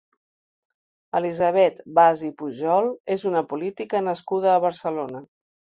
Elisabet Bas i Pujol és una política nascuda a Barcelona.